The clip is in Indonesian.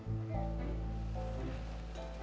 orang dikasih murah kok malah galak